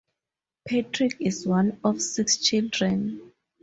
Patrick is one of six children.